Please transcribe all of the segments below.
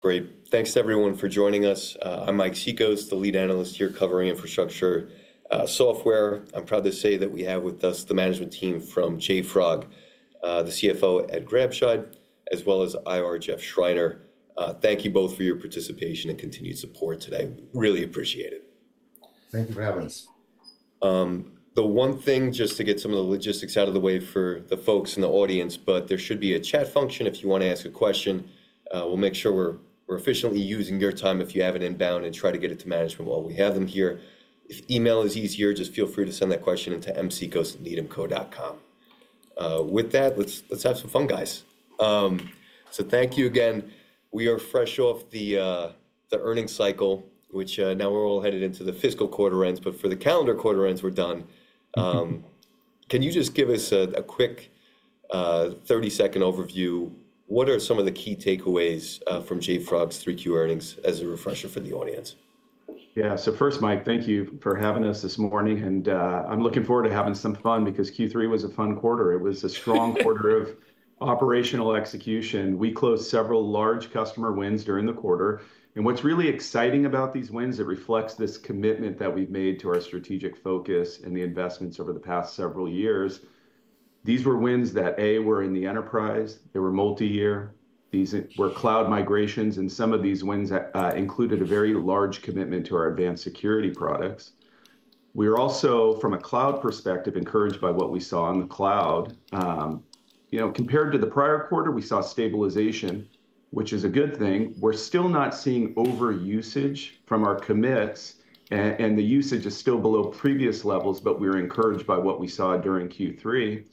Great. Thanks, everyone, for joining us. I'm Mike Cikos, the lead analyst here covering infrastructure software. I'm proud to say that we have with us the management team from JFrog, the CFO, Ed Grabscheid, as well as IR, Jeff Schreiner. Thank you both for your participation and continued support today. Really appreciate it. Thank you for having us. The one thing, just to get some of the logistics out of the way for the folks in the audience, but there should be a chat function if you want to ask a question. We'll make sure we're efficiently using your time if you have it inbound and try to get it to management while we have them here. If email is easier, just feel free to send that question to msikos@nedimco.com. With that, let's have some fun, guys. So thank you again. We are fresh off the earnings cycle, which now we're all headed into the fiscal quarter ends, but for the calendar quarter ends, we're done. Can you just give us a quick 30-second overview? What are some of the key takeaways from JFrog's Q3 earnings as a refresher for the audience? Yeah. So first, Mike, thank you for having us this morning. And I'm looking forward to having some fun because Q3 was a fun quarter. It was a strong quarter of operational execution. We closed several large customer wins during the quarter. And what's really exciting about these wins reflects this commitment that we've made to our strategic focus and the investments over the past several years. These were wins that, A, were in the enterprise, they were multi-year. These were cloud migrations. And some of these wins included a very large commitment to our advanced security products. We are also, from a cloud perspective, encouraged by what we saw in the cloud. Compared to the prior quarter, we saw stabilization, which is a good thing. We're still not seeing overusage from our commits. The usage is still below previous levels, but we were encouraged by what we saw during Q3.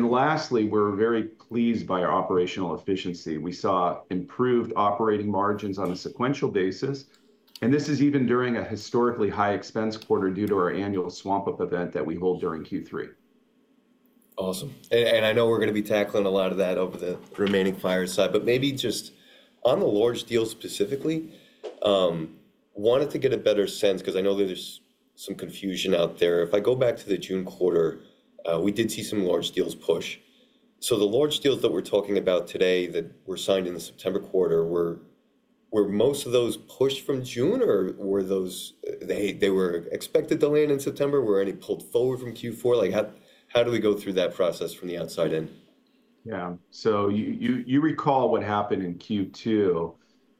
Lastly, we're very pleased by our operational efficiency. We saw improved operating margins on a sequential basis. This is even during a historically high expense quarter due to our annual SwampUp event that we hold during Q3. Awesome. And I know we're going to be tackling a lot of that over the remaining fireside. But maybe just on the large deals specifically, I wanted to get a better sense because I know there's some confusion out there. If I go back to the June quarter, we did see some large deals push. So the large deals that we're talking about today that were signed in the September quarter, were most of those pushed from June? Or were those, they were expected to land in September? Were any pulled forward from Q4? How do we go through that process from the outside in? Yeah, so you recall what happened in Q2,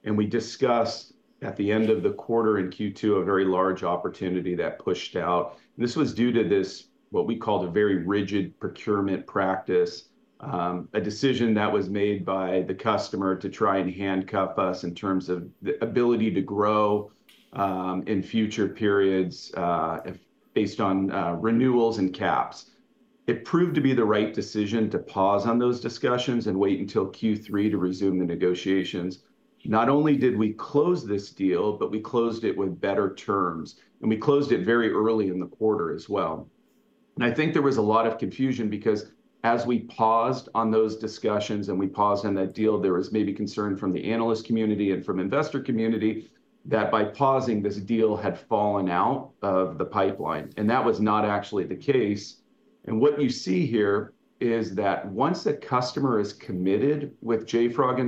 and we discussed at the end of the quarter in Q2 a very large opportunity that pushed out. This was due to this, what we call, the very rigid procurement practice, a decision that was made by the customer to try and handcuff us in terms of the ability to grow in future periods based on renewals and caps. It proved to be the right decision to pause on those discussions and wait until Q3 to resume the negotiations. Not only did we close this deal, but we closed it with better terms, and we closed it very early in the quarter as well. I think there was a lot of confusion because as we paused on those discussions and we paused on that deal, there was maybe concern from the analyst community and from the investor community that by pausing, this deal had fallen out of the pipeline. That was not actually the case. What you see here is that once a customer is committed with JFrog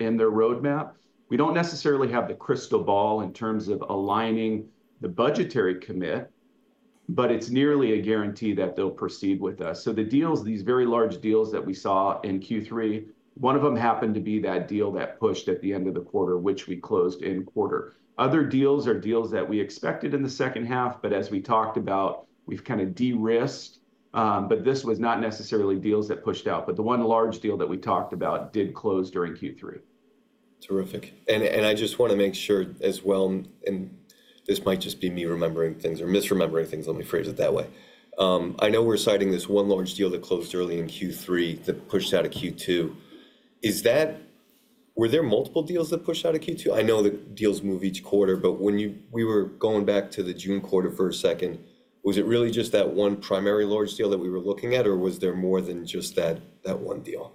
in their roadmap, we don't necessarily have the crystal ball in terms of aligning the budgetary commit. It's nearly a guarantee that they'll proceed with us. The deals, these very large deals that we saw in Q3, one of them happened to be that deal that pushed at the end of the quarter, which we closed in quarter. Other deals are deals that we expected in the second half. As we talked about, we've kind of de-risked. But this was not necessarily deals that pushed out. But the one large deal that we talked about did close during Q3. Terrific. And I just want to make sure as well, and this might just be me remembering things or misremembering things. Let me phrase it that way. I know we're citing this one large deal that closed early in Q3 that pushed out of Q2. Were there multiple deals that pushed out of Q2? I know that deals move each quarter. But when we were going back to the June quarter for a second, was it really just that one primary large deal that we were looking at? Or was there more than just that one deal?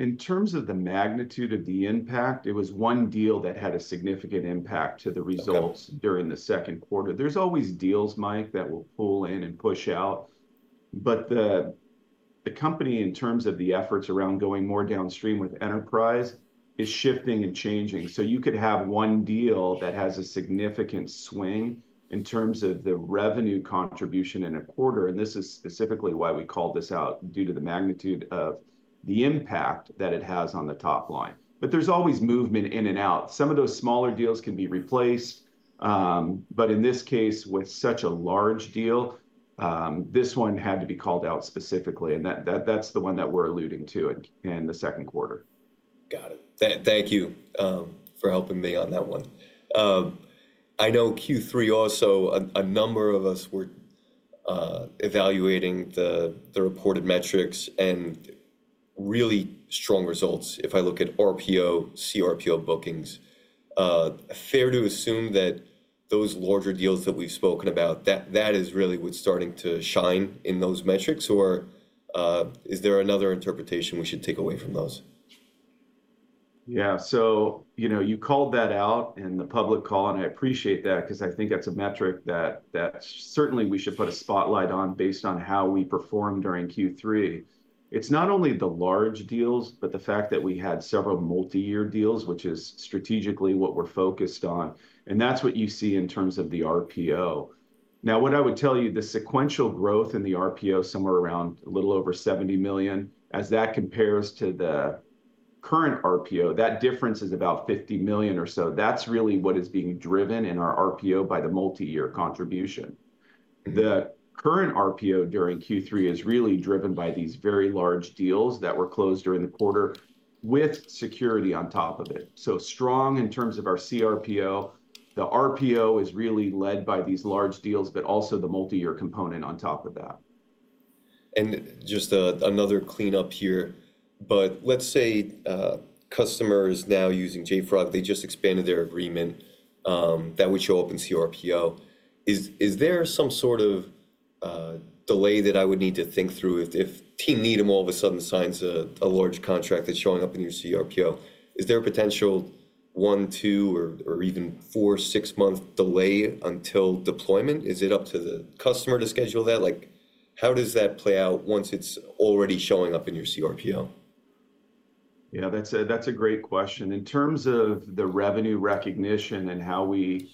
In terms of the magnitude of the impact, it was one deal that had a significant impact to the results during the second quarter. There's always deals, Mike, that will pull in and push out. But the company, in terms of the efforts around going more downstream with enterprise, is shifting and changing. So you could have one deal that has a significant swing in terms of the revenue contribution in a quarter. And this is specifically why we called this out due to the magnitude of the impact that it has on the top line. But there's always movement in and out. Some of those smaller deals can be replaced. But in this case, with such a large deal, this one had to be called out specifically. And that's the one that we're alluding to in the second quarter. Got it. Thank you for helping me on that one. I know Q3 also, a number of us were evaluating the reported metrics and really strong results. If I look at RPO, CRPO bookings, fair to assume that those larger deals that we've spoken about, that is really what's starting to shine in those metrics? Or is there another interpretation we should take away from those? Yeah, so you called that out in the public call, and I appreciate that because I think that's a metric that certainly we should put a spotlight on based on how we performed during Q3. It's not only the large deals, but the fact that we had several multi-year deals, which is strategically what we're focused on, and that's what you see in terms of the RPO. Now, what I would tell you, the sequential growth in the RPO, somewhere around a little over $70 million, as that compares to the current RPO, that difference is about $50 million or so. That's really what is being driven in our RPO by the multi-year contribution. The current RPO during Q3 is really driven by these very large deals that were closed during the quarter with security on top of it. So strong in terms of our CRPO, the RPO is really led by these large deals, but also the multi-year component on top of that. Just another cleanup here. Let's say customers now using JFrog, they just expanded their agreement that would show up in CRPO. Is there some sort of delay that I would need to think through if team Needham all of a sudden signs a large contract that's showing up in your CRPO? Is there a potential one, two, or even four, six-month delay until deployment? Is it up to the customer to schedule that? How does that play out once it's already showing up in your CRPO? Yeah, that's a great question. In terms of the revenue recognition and how we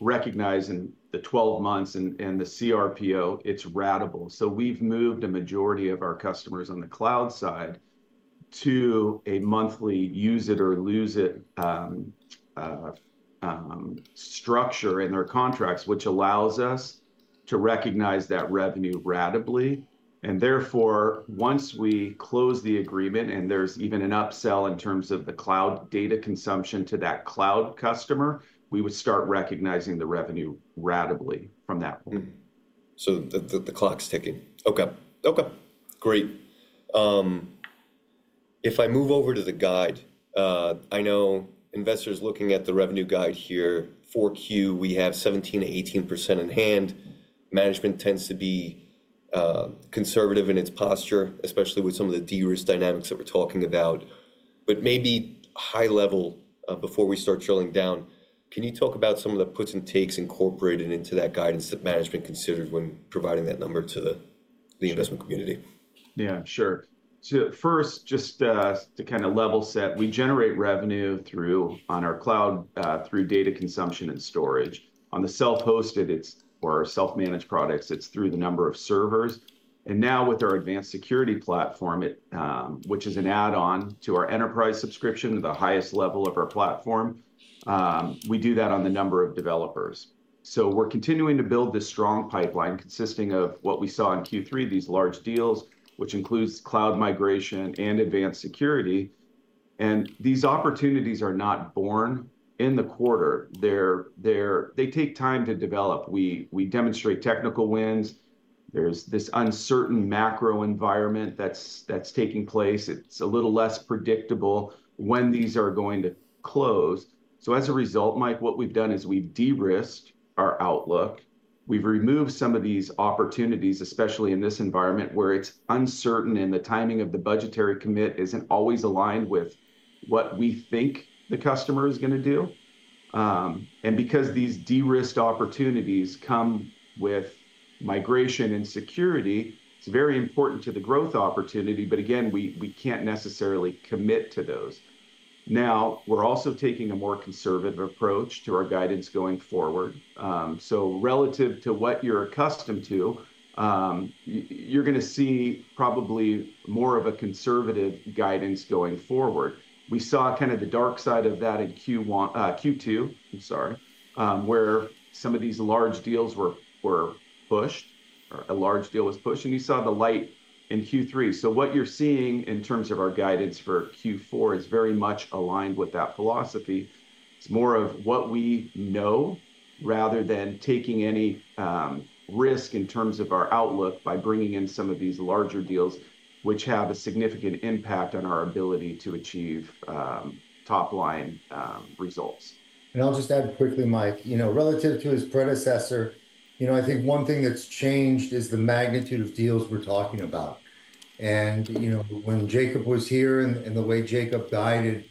recognize in the 12 months and the CRPO, it's ratable. So we've moved a majority of our customers on the cloud side to a monthly use-it-or-lose-it structure in their contracts, which allows us to recognize that revenue ratably. And therefore, once we close the agreement, and there's even an upsell in terms of the cloud data consumption to that cloud customer, we would start recognizing the revenue ratably from that point. So the clock's ticking. OK. OK. Great. If I move over to the guide, I know investors looking at the revenue guide here, for Q, we have 17%-18% in hand. Management tends to be conservative in its posture, especially with some of the de-risk dynamics that we're talking about. But maybe high level before we start drilling down, can you talk about some of the puts and takes incorporated into that guidance that management considered when providing that number to the investment community? Yeah, sure. So first, just to kind of level set, we generate revenue on our cloud through data consumption and storage. On the self-hosted or self-managed products, it's through the number of servers. And now with our advanced security platform, which is an add-on to our enterprise subscription, the highest level of our platform, we do that on the number of developers. So we're continuing to build this strong pipeline consisting of what we saw in Q3, these large deals, which includes cloud migration and advanced security. And these opportunities are not born in the quarter. They take time to develop. We demonstrate technical wins. There's this uncertain macro environment that's taking place. It's a little less predictable when these are going to close. So as a result, Mike, what we've done is we've de-risked our outlook. We've removed some of these opportunities, especially in this environment where it's uncertain and the timing of the budgetary commit isn't always aligned with what we think the customer is going to do, and because these de-risked opportunities come with migration and security, it's very important to the growth opportunity, but again, we can't necessarily commit to those. Now, we're also taking a more conservative approach to our guidance going forward, so relative to what you're accustomed to, you're going to see probably more of a conservative guidance going forward. We saw kind of the dark side of that in Q2, I'm sorry, where some of these large deals were pushed, or a large deal was pushed, and you saw the light in Q3, so what you're seeing in terms of our guidance for Q4 is very much aligned with that philosophy. It's more of what we know rather than taking any risk in terms of our outlook by bringing in some of these larger deals, which have a significant impact on our ability to achieve top-line results. And I'll just add quickly, Mike, relative to his predecessor. I think one thing that's changed is the magnitude of deals we're talking about. And when Jacob was here and the way Jacob guided,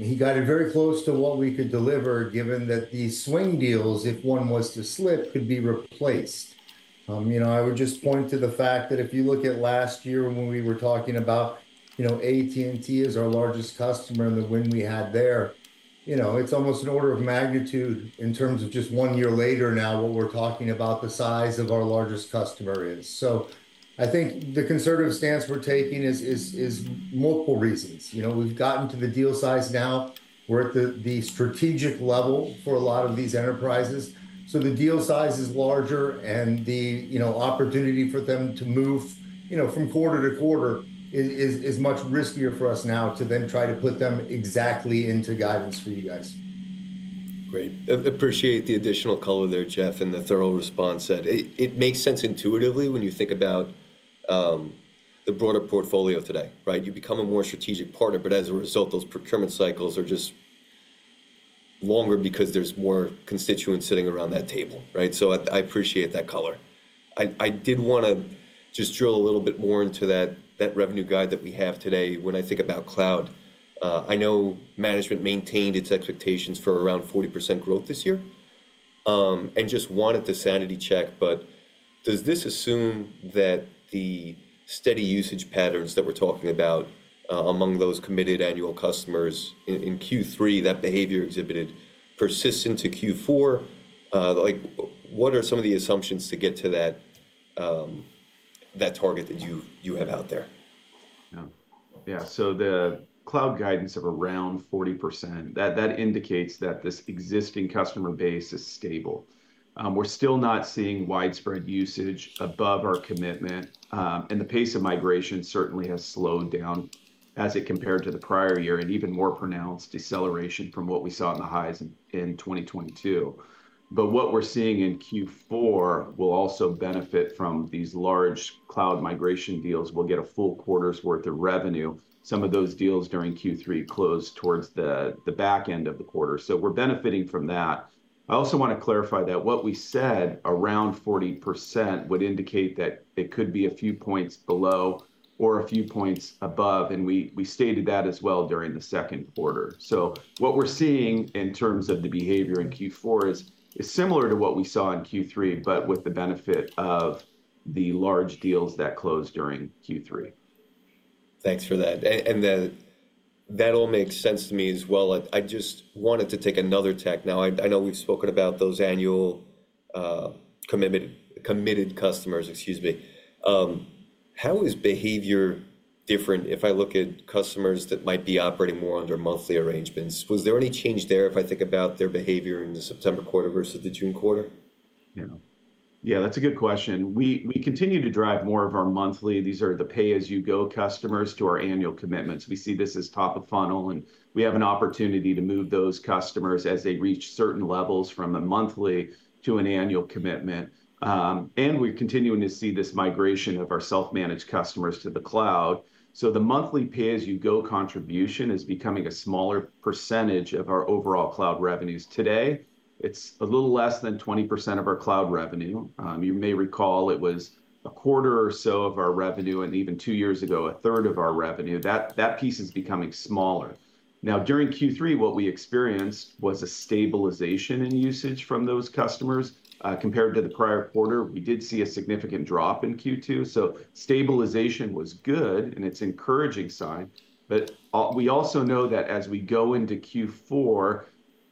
he guided very close to what we could deliver, given that these swing deals, if one was to slip, could be replaced. I would just point to the fact that if you look at last year when we were talking about AT&T as our largest customer and the win we had there, it's almost an order of magnitude in terms of just one year later now what we're talking about the size of our largest customer is. So I think the conservative stance we're taking is multiple reasons. We've gotten to the deal size now. We're at the strategic level for a lot of these enterprises. So the deal size is larger. The opportunity for them to move from quarter to quarter is much riskier for us now to then try to put them exactly into guidance for you guys. Great. Appreciate the additional color there, Jeff, and the thorough response that it makes sense intuitively when you think about the broader portfolio today. You become a more strategic partner. But as a result, those procurement cycles are just longer because there's more constituents sitting around that table. So I appreciate that color. I did want to just drill a little bit more into that revenue guide that we have today. When I think about cloud, I know management maintained its expectations for around 40% growth this year and just wanted the sanity check. But does this assume that the steady usage patterns that we're talking about among those committed annual customers in Q3, that behavior exhibited, persists into Q4? What are some of the assumptions to get to that target that you have out there? Yeah. Yeah. So the cloud guidance of around 40%, that indicates that this existing customer base is stable. We're still not seeing widespread usage above our commitment. And the pace of migration certainly has slowed down as it compared to the prior year and even more pronounced deceleration from what we saw in the highs in 2022. But what we're seeing in Q4 will also benefit from these large cloud migration deals. We'll get a full quarter's worth of revenue. Some of those deals during Q3 closed towards the back end of the quarter. So we're benefiting from that. I also want to clarify that what we said around 40% would indicate that it could be a few points below or a few points above. And we stated that as well during the second quarter. So what we're seeing in terms of the behavior in Q4 is similar to what we saw in Q3, but with the benefit of the large deals that closed during Q3. Thanks for that. And that all makes sense to me as well. I just wanted to take another tack. Now, I know we've spoken about those annual committed customers, excuse me. How is behavior different if I look at customers that might be operating more under monthly arrangements? Was there any change there if I think about their behavior in the September quarter versus the June quarter? Yeah. Yeah, that's a good question. We continue to drive more of our monthly, these are the pay-as-you-go customers, to our annual commitments. We see this as top of funnel, and we have an opportunity to move those customers as they reach certain levels from a monthly to an annual commitment, and we're continuing to see this migration of our self-managed customers to the cloud, so the monthly pay-as-you-go contribution is becoming a smaller percentage of our overall cloud revenues. Today, it's a little less than 20% of our cloud revenue. You may recall it was a quarter or so of our revenue, and even two years ago, a third of our revenue. That piece is becoming smaller. Now, during Q3, what we experienced was a stabilization in usage from those customers. Compared to the prior quarter, we did see a significant drop in Q2. So stabilization was good, and it's an encouraging sign. But we also know that as we go into Q4,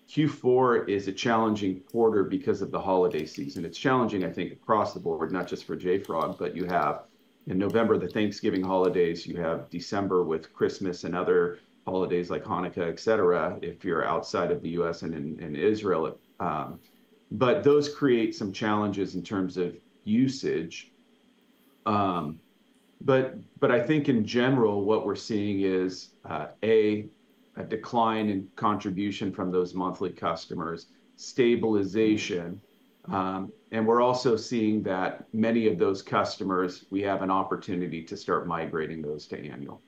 Q4 is a challenging quarter because of the holiday season. It's challenging, I think, across the board, not just for JFrog. But you have in November the Thanksgiving holidays. You have December with Christmas and other holidays like Hanukkah, et cetera, if you're outside of the US and in Israel. But those create some challenges in terms of usage. But I think in general, what we're seeing is, A, a decline in contribution from those monthly customers, stabilization. And we're also seeing that many of those customers, we have an opportunity to start migrating those to annual.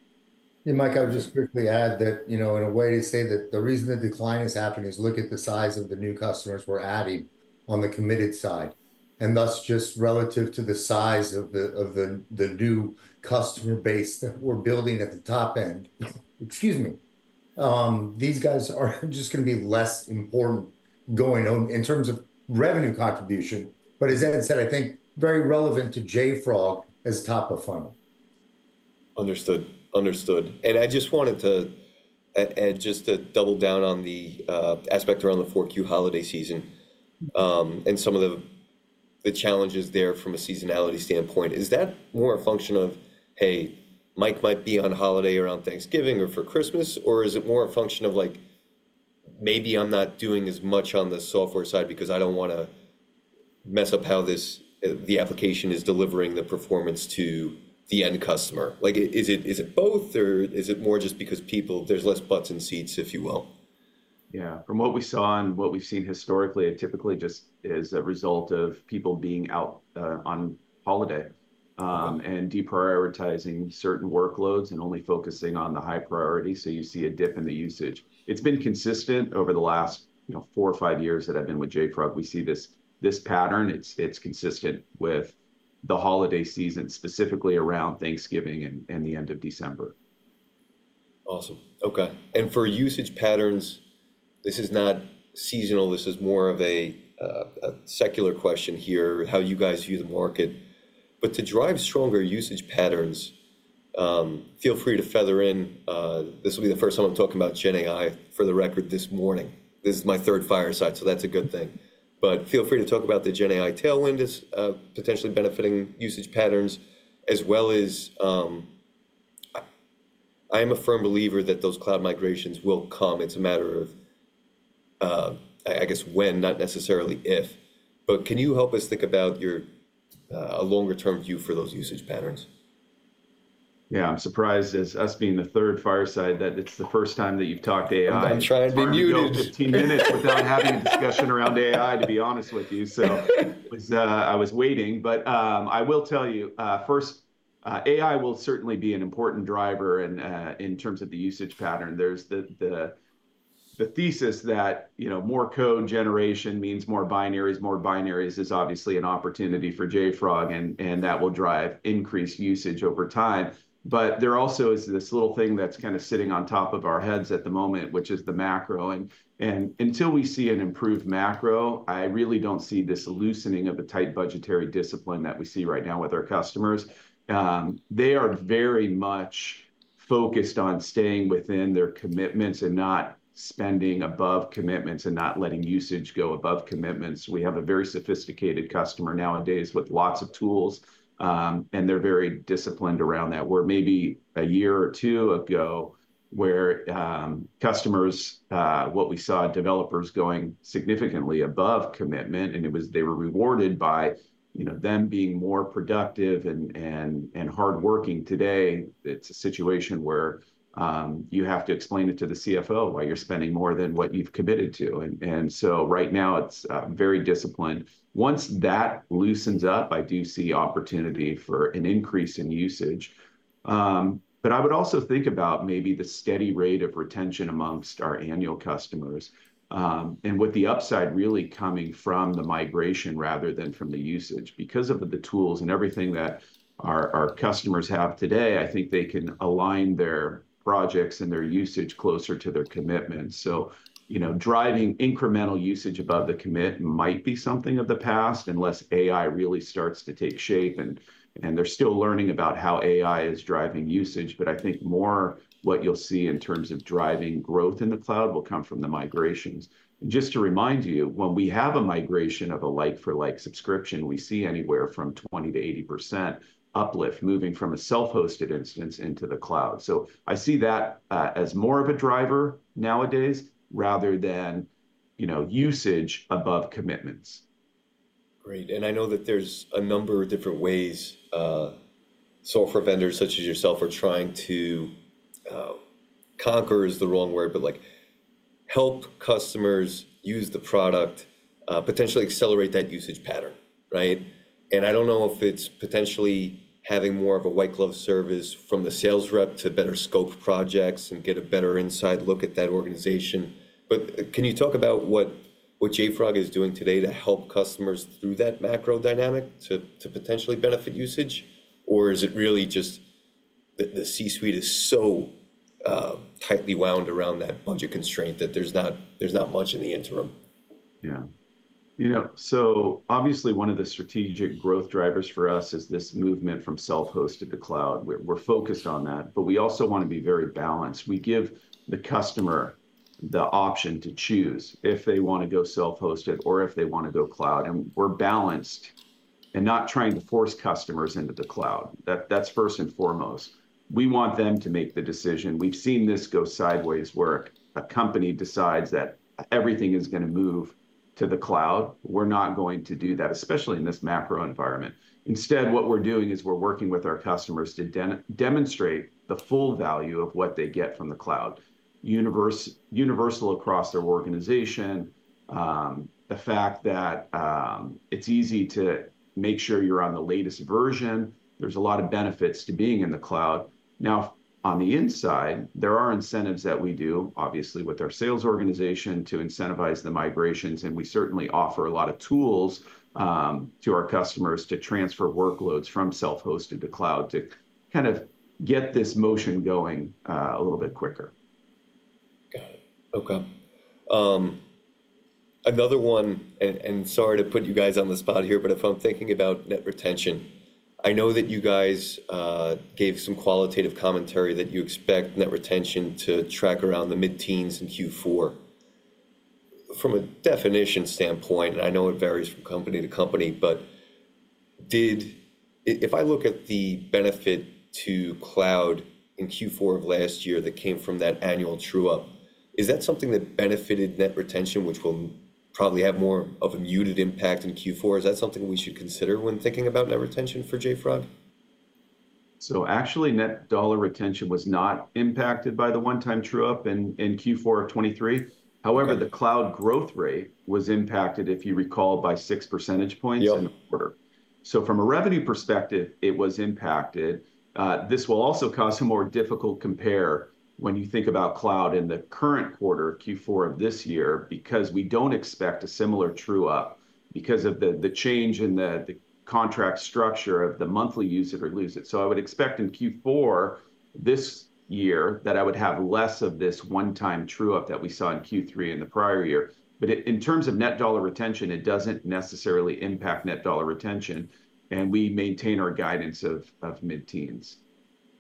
And Mike, I would just quickly add that in a way to say that the reason the decline is happening is look at the size of the new customers we're adding on the committed side. And that's just relative to the size of the new customer base that we're building at the top end. Excuse me. These guys are just going to be less important going on in terms of revenue contribution. But as Ed said, I think very relevant to JFrog as top of funnel. Understood. Understood. And I just wanted to just double down on the aspect around the Q4 holiday season and some of the challenges there from a seasonality standpoint. Is that more a function of, hey, Mike might be on holiday around Thanksgiving or for Christmas? Or is it more a function of maybe I'm not doing as much on the software side because I don't want to mess up how the application is delivering the performance to the end customer? Is it both, or is it more just because there's less butts in seats, if you will? Yeah. From what we saw and what we've seen historically, it typically just is a result of people being out on holiday and deprioritizing certain workloads and only focusing on the high priority. So you see a dip in the usage. It's been consistent over the last four or five years that I've been with JFrog. We see this pattern. It's consistent with the holiday season, specifically around Thanksgiving and the end of December. Awesome. OK. And for usage patterns, this is not seasonal. This is more of a secular question here, how you guys view the market. But to drive stronger usage patterns, feel free to feather in. This will be the first time I'm talking about Gen AI for the record this morning. This is my third fireside, so that's a good thing. But feel free to talk about the Gen AI tailwind as potentially benefiting usage patterns, as well as I am a firm believer that those cloud migrations will come. It's a matter of, I guess, when, not necessarily if. But can you help us think about your longer-term view for those usage patterns? Yeah. I'm surprised, as us being the third fireside, that it's the first time that you've talked AI. I'm trying to be muted. I've been muted 15 minutes without having a discussion around AI, to be honest with you. So I was waiting. But I will tell you, first, AI will certainly be an important driver in terms of the usage pattern. There's the thesis that more code generation means more binaries. More binaries is obviously an opportunity for JFrog. And that will drive increased usage over time. But there also is this little thing that's kind of sitting on top of our heads at the moment, which is the macro. And until we see an improved macro, I really don't see this loosening of the tight budgetary discipline that we see right now with our customers. They are very much focused on staying within their commitments and not spending above commitments and not letting usage go above commitments. We have a very sophisticated customer nowadays with lots of tools. And they're very disciplined around that. Where maybe a year or two ago, what we saw, developers going significantly above commitment. And they were rewarded by them being more productive and hardworking. Today, it's a situation where you have to explain it to the CFO why you're spending more than what you've committed to. And so right now, it's very disciplined. Once that loosens up, I do see opportunity for an increase in usage. But I would also think about maybe the steady rate of retention among our annual customers and with the upside really coming from the migration rather than from the usage. Because of the tools and everything that our customers have today, I think they can align their projects and their usage closer to their commitments. So driving incremental usage above the commit might be something of the past unless AI really starts to take shape. And they're still learning about how AI is driving usage. But I think more what you'll see in terms of driving growth in the cloud will come from the migrations. And just to remind you, when we have a migration of a like-for-like subscription, we see anywhere from 20%-80% uplift moving from a self-hosted instance into the cloud. So I see that as more of a driver nowadays rather than usage above commitments. Great. And I know that there's a number of different ways software vendors such as yourself are trying to conquer, is the wrong word, but help customers use the product, potentially accelerate that usage pattern. And I don't know if it's potentially having more of a white-glove service from the sales rep to better scope projects and get a better inside look at that organization. But can you talk about what JFrog is doing today to help customers through that macro dynamic to potentially benefit usage? Or is it really just the C-suite is so tightly wound around that budget constraint that there's not much in the interim? Yeah, so obviously, one of the strategic growth drivers for us is this movement from self-hosted to cloud. We're focused on that. But we also want to be very balanced. We give the customer the option to choose if they want to go self-hosted or if they want to go cloud, and we're balanced and not trying to force customers into the cloud. That's first and foremost. We want them to make the decision. We've seen this go sideways where a company decides that everything is going to move to the cloud. We're not going to do that, especially in this macro environment. Instead, what we're doing is we're working with our customers to demonstrate the full value of what they get from the cloud, universal across their organization, the fact that it's easy to make sure you're on the latest version. There's a lot of benefits to being in the cloud. Now, on the inside, there are incentives that we do, obviously, with our sales organization to incentivize the migrations. And we certainly offer a lot of tools to our customers to transfer workloads from self-hosted to cloud to kind of get this motion going a little bit quicker. Got it. OK. Another one, and sorry to put you guys on the spot here, but if I'm thinking about net retention, I know that you guys gave some qualitative commentary that you expect net retention to track around the mid-teens in Q4. From a definition standpoint, and I know it varies from company to company, but if I look at the benefit to cloud in Q4 of last year that came from that annual true-up, is that something that benefited net retention, which will probably have more of a muted impact in Q4? Is that something we should consider when thinking about net retention for JFrog? So actually, net dollar retention was not impacted by the one-time true-up in Q4 of 2023. However, the cloud growth rate was impacted, if you recall, by six percentage points in the quarter. So from a revenue perspective, it was impacted. This will also cause some more difficult compare when you think about cloud in the current quarter, Q4 of this year, because we don't expect a similar true-up because of the change in the contract structure of the monthly use it or lose it. So I would expect in Q4 this year that I would have less of this one-time true-up that we saw in Q3 in the prior year. But in terms of net dollar retention, it doesn't necessarily impact net dollar retention. And we maintain our guidance of mid-teens.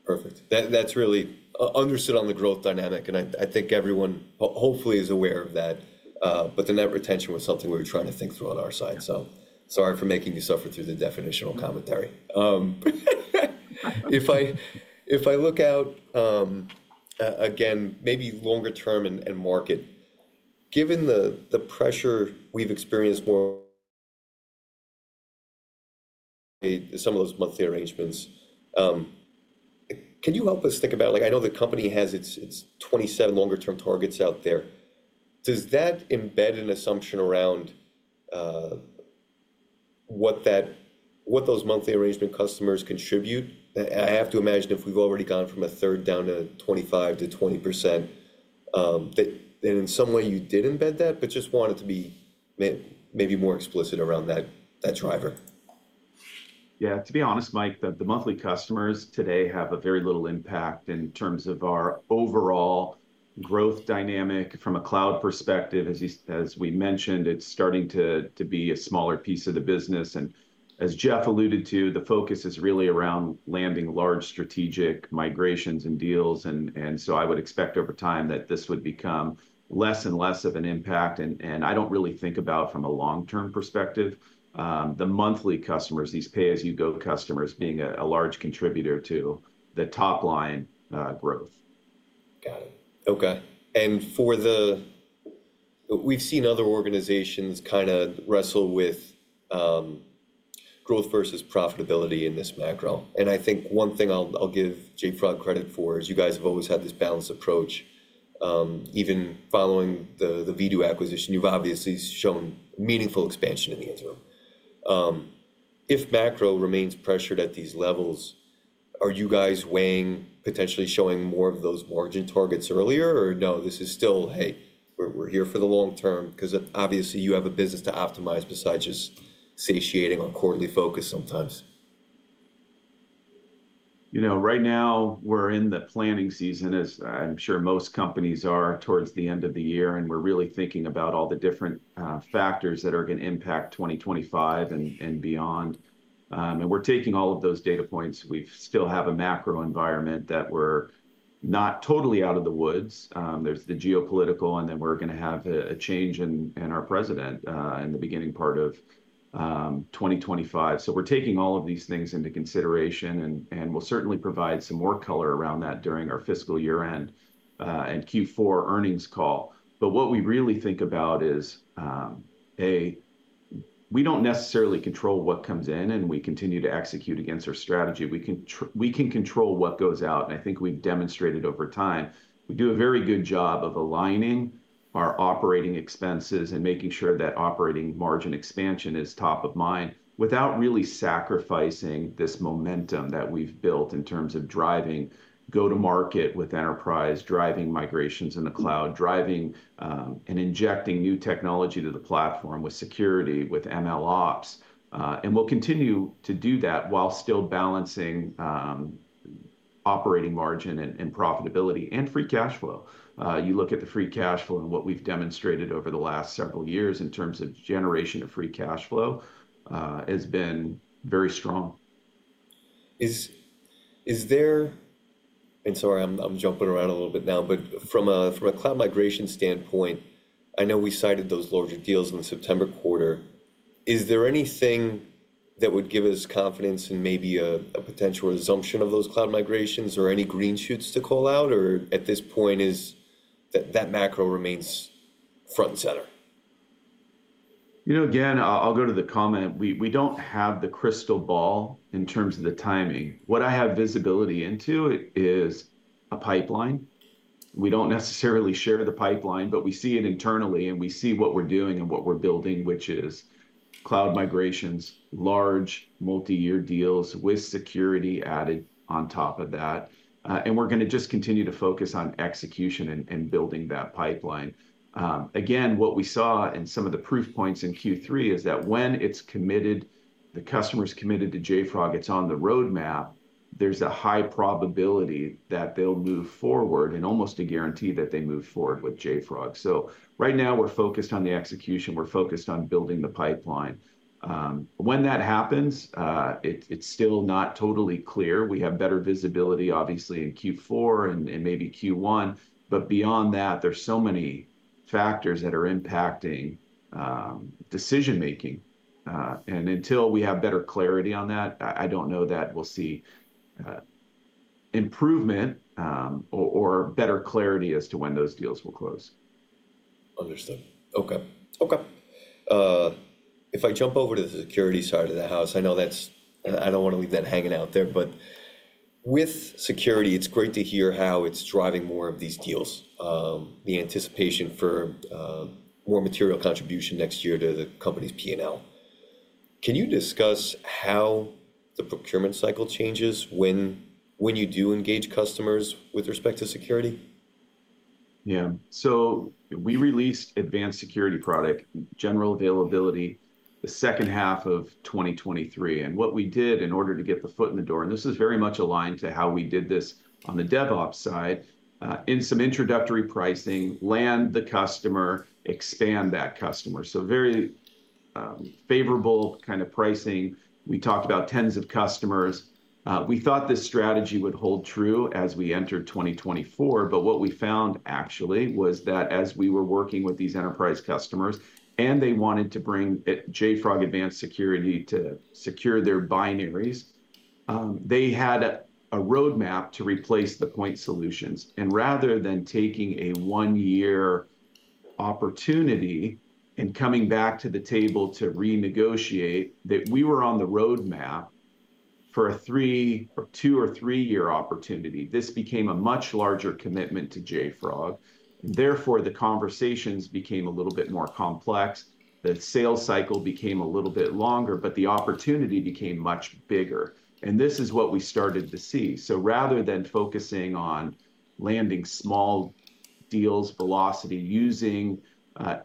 Perfect. That's really understood on the growth dynamic. And I think everyone hopefully is aware of that. But the net retention was something we were trying to think through on our side. So sorry for making you suffer through the definitional commentary. If I look out, again, maybe longer term and market, given the pressure we've experienced more on some of those monthly arrangements, can you help us think about, I know the company has its 27 longer-term targets out there. Does that embed an assumption around what those monthly arrangement customers contribute? I have to imagine if we've already gone from a third down to 25%-20%, that in some way you did embed that, but just wanted to be maybe more explicit around that driver. Yeah. To be honest, Mike, the monthly customers today have a very little impact in terms of our overall growth dynamic. From a cloud perspective, as we mentioned, it's starting to be a smaller piece of the business. And as Jeff alluded to, the focus is really around landing large strategic migrations and deals. And so I would expect over time that this would become less and less of an impact. And I don't really think about, from a long-term perspective, the monthly customers, these pay-as-you-go customers being a large contributor to the top line growth. Got it. OK. And we've seen other organizations kind of wrestle with growth versus profitability in this macro. And I think one thing I'll give JFrog credit for is you guys have always had this balanced approach. Even following the Vdoo acquisition, you've obviously shown meaningful expansion in the interim. If macro remains pressured at these levels, are you guys weighing potentially showing more of those margin targets earlier? Or no, this is still, hey, we're here for the long term because obviously you have a business to optimize besides just satiating on quarterly focus sometimes. Right now, we're in the planning season, as I'm sure most companies are towards the end of the year. And we're really thinking about all the different factors that are going to impact 2025 and beyond. And we're taking all of those data points. We still have a macro environment that we're not totally out of the woods. There's the geopolitical. And then we're going to have a change in our president in the beginning part of 2025. So we're taking all of these things into consideration. And we'll certainly provide some more color around that during our fiscal year-end and Q4 earnings call. But what we really think about is, hey, we don't necessarily control what comes in. And we continue to execute against our strategy. We can control what goes out. And I think we've demonstrated over time, we do a very good job of aligning our operating expenses and making sure that operating margin expansion is top of mind without really sacrificing this momentum that we've built in terms of driving go-to-market with enterprise, driving migrations in the cloud, driving and injecting new technology to the platform with security, with MLOps. And we'll continue to do that while still balancing operating margin and profitability and free cash flow. You look at the free cash flow and what we've demonstrated over the last several years in terms of generation of free cash flow has been very strong. Sorry, I'm jumping around a little bit now. From a cloud migration standpoint, I know we cited those larger deals in the September quarter. Is there anything that would give us confidence in maybe a potential resumption of those cloud migrations or any green shoots to call out? Or at this point, is that macro remains front and center? Again, I'll go to the comment. We don't have the crystal ball in terms of the timing. What I have visibility into is a pipeline. We don't necessarily share the pipeline, but we see it internally, and we see what we're doing and what we're building, which is cloud migrations, large multi-year deals with security added on top of that, and we're going to just continue to focus on execution and building that pipeline. Again, what we saw in some of the proof points in Q3 is that when it's committed, the customer's committed to JFrog, it's on the roadmap, there's a high probability that they'll move forward and almost a guarantee that they move forward with JFrog, so right now, we're focused on the execution. We're focused on building the pipeline. When that happens, it's still not totally clear. We have better visibility, obviously, in Q4 and maybe Q1. But beyond that, there's so many factors that are impacting decision-making. And until we have better clarity on that, I don't know that we'll see improvement or better clarity as to when those deals will close. Understood. OK. If I jump over to the security side of the house, I know that's. I don't want to leave that hanging out there. But with security, it's great to hear how it's driving more of these deals, the anticipation for more material contribution next year to the company's P&L. Can you discuss how the procurement cycle changes when you do engage customers with respect to security? Yeah. So we released Advanced Security product general availability the second half of 2023. And what we did in order to get the foot in the door, and this is very much aligned to how we did this on the DevOps side, in some introductory pricing, land the customer, expand that customer. So very favorable kind of pricing. We talked about tens of customers. We thought this strategy would hold true as we entered 2024. But what we found actually was that as we were working with these enterprise customers and they wanted to bring JFrog Advanced Security to secure their binaries, they had a roadmap to replace the point solutions. And rather than taking a one-year opportunity and coming back to the table to renegotiate, that we were on the roadmap for a two- or three-year opportunity, this became a much larger commitment to JFrog. Therefore, the conversations became a little bit more complex. The sales cycle became a little bit longer. The opportunity became much bigger. This is what we started to see. Rather than focusing on landing small deals velocity using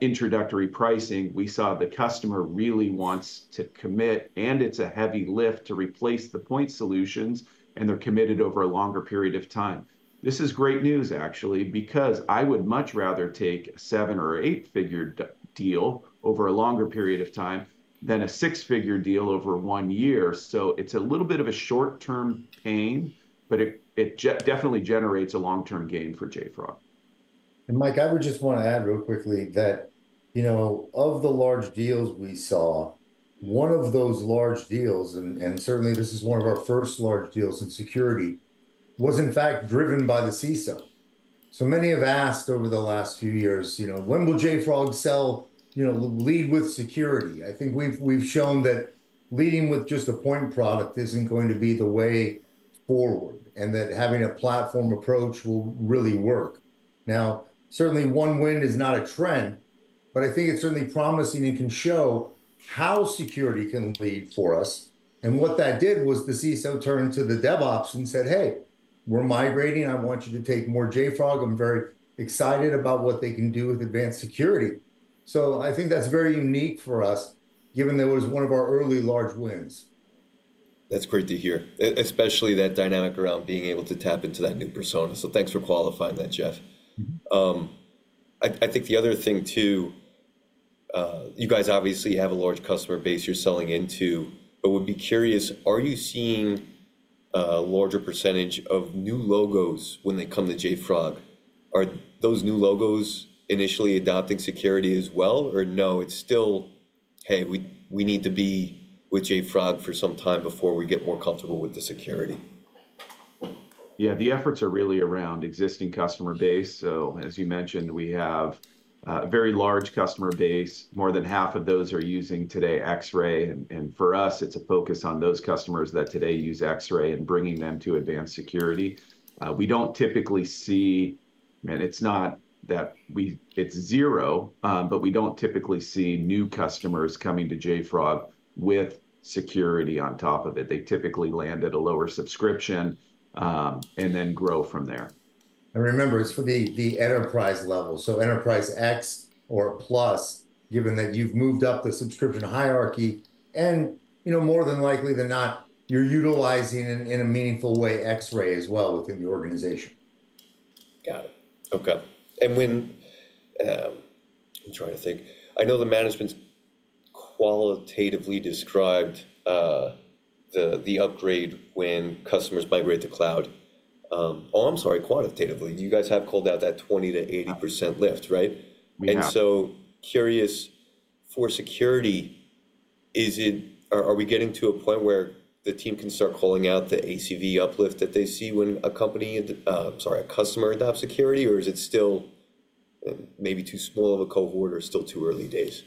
introductory pricing, we saw the customer really wants to commit. It's a heavy lift to replace the point solutions. They're committed over a longer period of time. This is great news, actually, because I would much rather take a seven or eight-figure deal over a longer period of time than a six-figure deal over one year. It's a little bit of a short-term pain. It definitely generates a long-term gain for JFrog. And Mike, I would just want to add real quickly that of the large deals we saw, one of those large deals, and certainly this is one of our first large deals in security, was in fact driven by the CISO. So many have asked over the last few years, when will JFrog lead with security? I think we've shown that leading with just a point product isn't going to be the way forward and that having a platform approach will really work. Now, certainly one win is not a trend. But I think it's certainly promising and can show how security can lead for us. And what that did was the CISO turned to the DevOps and said, "Hey, we're migrating. I want you to take more JFrog." I'm very excited about what they can do with advanced security. So I think that's very unique for us, given that it was one of our early large wins. That's great to hear, especially that dynamic around being able to tap into that new persona. So thanks for qualifying that, Jeff. I think the other thing, too, you guys obviously have a large customer base you're selling into. But would be curious, are you seeing a larger percentage of new logos when they come to JFrog? Are those new logos initially adopting security as well? Or no, it's still, hey, we need to be with JFrog for some time before we get more comfortable with the security. Yeah. The efforts are really around existing customer base. So as you mentioned, we have a very large customer base. More than half of those are using today X-Ray. And for us, it's a focus on those customers that today use X-Ray and bringing them to advanced security. We don't typically see, and it's not that it's zero, but we don't typically see new customers coming to JFrog with security on top of it. They typically land at a lower subscription and then grow from there. Remember, it's for the enterprise level. Enterprise X or Plus, given that you've moved up the subscription hierarchy. More than likely than not, you're utilizing in a meaningful way X-Ray as well within the organization. Got it. OK. And when I'm trying to think, I know the management qualitatively described the upgrade when customers migrate to cloud. Oh, I'm sorry, quantitatively. You guys have called out that 20%-80% lift, right? We have. Curious, for security, are we getting to a point where the team can start calling out the ACV uplift that they see when a company, sorry, a customer adopts security? Or is it still maybe too small of a cohort or still too early days?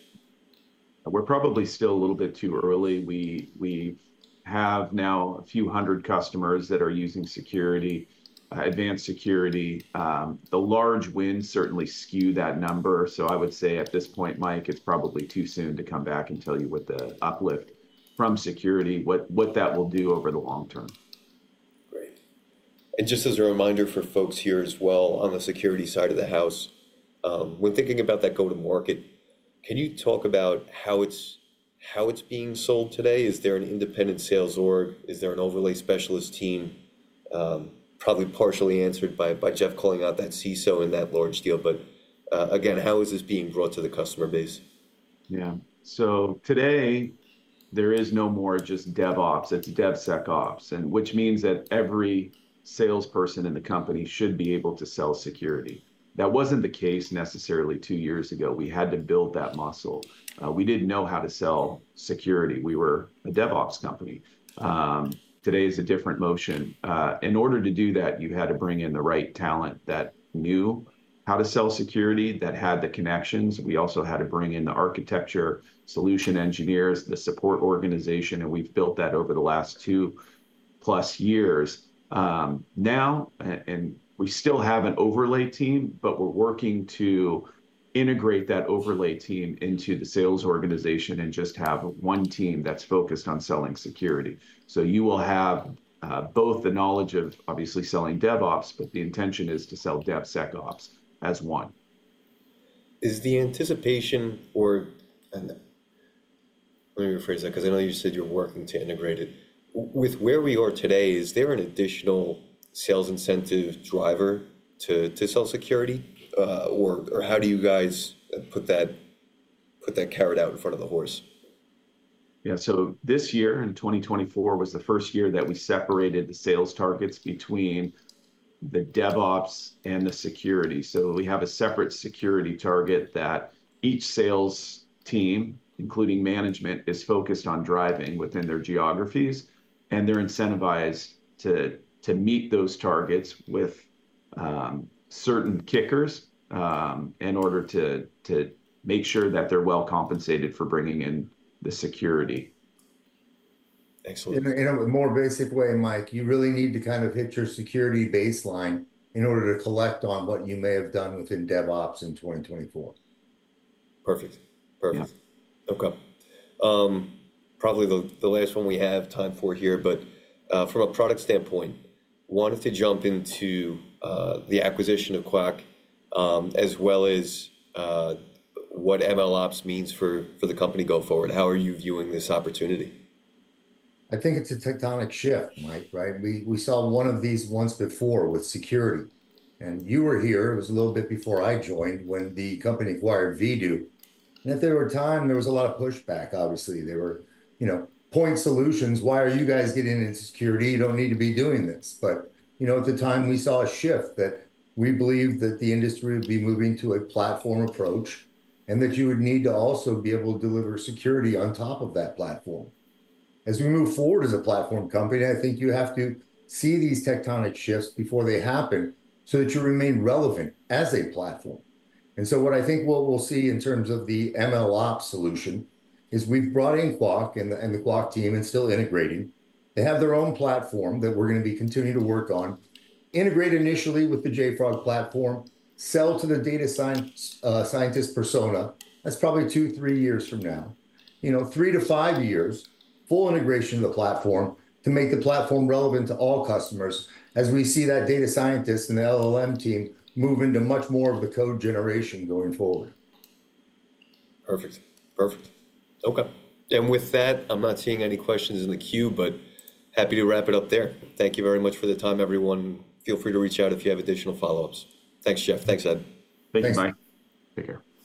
We're probably still a little bit too early. We have now a few hundred customers that are using security, advanced security. The large wins certainly skew that number. So I would say at this point, Mike, it's probably too soon to come back and tell you what the uplift from security, what that will do over the long term. Great, and just as a reminder for folks here as well on the security side of the house, when thinking about that go-to-market, can you talk about how it's being sold today? Is there an independent sales org? Is there an overlay specialist team? Probably partially answered by Jeff calling out that CISO in that large deal. But again, how is this being brought to the customer base? Yeah. So today, there is no more just DevOps. It's DevSecOps, which means that every salesperson in the company should be able to sell security. That wasn't the case necessarily two years ago. We had to build that muscle. We didn't know how to sell security. We were a DevOps company. Today is a different motion. In order to do that, you had to bring in the right talent that knew how to sell security, that had the connections. We also had to bring in the architecture, solution engineers, the support organization. And we've built that over the last two-plus years. Now, and we still have an overlay team. But we're working to integrate that overlay team into the sales organization and just have one team that's focused on selling security. So you will have both the knowledge of obviously selling DevOps. But the intention is to sell DevSecOps as one. Is the anticipation, or let me rephrase that because I know you said you're working to integrate it with where we are today? Is there an additional sales incentive driver to sell security? Or how do you guys put that carrot out in front of the horse? Yeah. So this year in 2024 was the first year that we separated the sales targets between the DevOps and the security. So we have a separate security target that each sales team, including management, is focused on driving within their geographies. And they're incentivized to meet those targets with certain kickers in order to make sure that they're well compensated for bringing in the security. Excellent. In a more basic way, Mike, you really need to kind of hit your security baseline in order to collect on what you may have done within DevOps in 2024. Perfect. Perfect. Yeah. OK. Probably the last one we have time for here. But from a product standpoint, wanted to jump into the acquisition of Qwak as well as what MLOps means for the company go forward. How are you viewing this opportunity? I think it's a tectonic shift, Mike, right? We saw one of these once before with security, and you were here. It was a little bit before I joined when the company acquired Vdoo. And at that time, there was a lot of pushback, obviously. They were point solutions. Why are you guys getting into security? You don't need to be doing this, but at the time, we saw a shift that we believed that the industry would be moving to a platform approach and that you would need to also be able to deliver security on top of that platform. As we move forward as a platform company, I think you have to see these tectonic shifts before they happen so that you remain relevant as a platform. What I think we'll see in terms of the MLOps solution is we've brought in Qwak and the Qwak team and still integrating. They have their own platform that we're going to be continuing to work on, integrate initially with the JFrog Platform, sell to the data scientist persona. That's probably two, three years from now, three to five years, full integration of the platform to make the platform relevant to all customers as we see that data scientist and the LLM team move into much more of the code generation going forward. Perfect. Perfect. OK. And with that, I'm not seeing any questions in the queue. But happy to wrap it up there. Thank you very much for the time, everyone. Feel free to reach out if you have additional follow-ups. Thanks, Jeff. Thanks, Ed. Thanks, Mike. Take care.